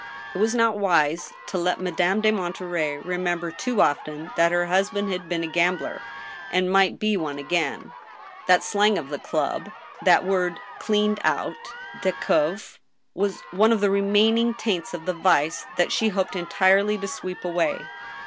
It was not wise to let Madame de Monterey remember too often that her husband had been a gambler, and might be one again. That 156 . THE STEEL HAMMER. slang of the club, that word cleaned cut — ddcavS^yfds one of the remaining taints of the vice that she hoped entirely to «weep away.